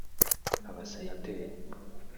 abasenateri